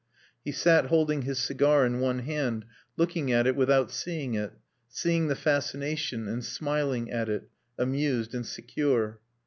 He sat holding his cigar in one hand, looking at it without seeing it, seeing the fascination and smiling at it, amused and secure.